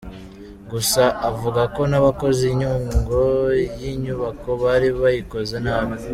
Gusa, avuga ko n’abakoze inyigo y’inyubako bari bayikoze nabi.